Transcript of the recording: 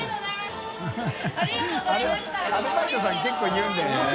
アルバイトさん結構言うんだよね。